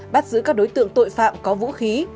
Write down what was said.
bắt giữ các đối tượng tội phạm có vũ khí